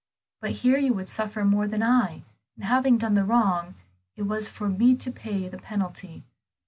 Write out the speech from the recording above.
But here you would suffer more than I; and having done the wrong, it was for me to pay the penalty.